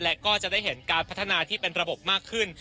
และก็จะได้เห็นการพัฒนาที่เป็นระบบมากขึ้น